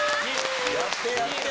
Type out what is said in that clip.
やってやって！